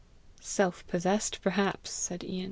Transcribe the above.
"Self possessed, perhaps!" said Ian.